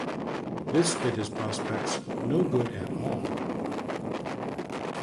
This did his prospects no good at all.